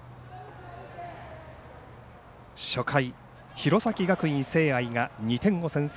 初回、弘前学院聖愛が２点を先制。